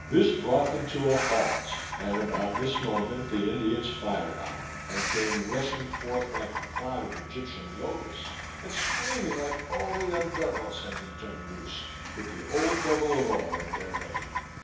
This brought them to a halt, and about this moment the Indians fired on them, and came rushing forth like a cloud of Egyptian locusts, and screaming like all the young devils had been turned loose, with the old devil of all at their head.